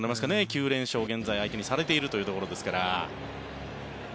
９連勝を現在、相手にされているということですから。